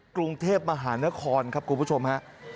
กรุงเทพมหานครครับคุณผู้ชมฮะ